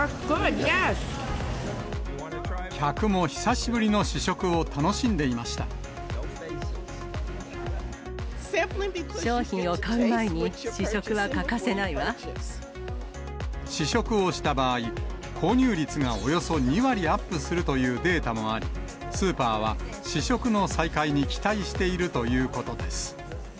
客も久しぶりの試食を楽しんでい商品を買う前に試食は欠かせ試食をした場合、購入率がおよそ２割アップするというデータもあり、スーパーは試食の再開に期待しているということです。